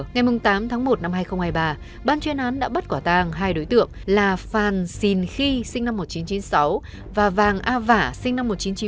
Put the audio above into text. ngày tám tháng một năm hai nghìn hai mươi ba ban chuyên án đã bất quả tàng hai đối tượng là phan xìn khi sinh năm một nghìn chín trăm chín mươi sáu và vàng a vả sinh năm một nghìn chín trăm chín mươi